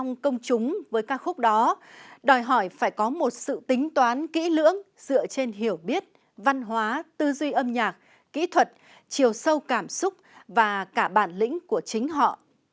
nếu muốn xác lập tên công chúng với ca khúc đó đòi hỏi phải có một sự tính toán kỹ lưỡng dựa trên hiểu biết văn hóa tư duy âm nhạc kỹ thuật chiều sâu cảm xúc và cả bản lĩnh của chính họ